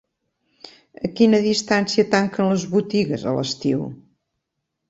A quina distància tanquen les botigues a l'estiu?